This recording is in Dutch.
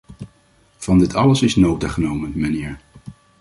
Van dit alles is nota genomen, mijnheer.